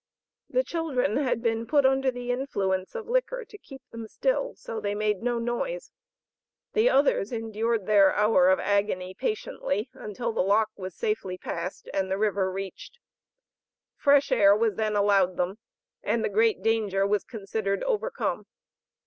The children had been put under the influence of liquor to keep them still, so they made no noise; the others endured their hour of agony patiently until the lock was safely passed, and the river reached. Fresh air was then allowed them, and the great danger was considered overcome.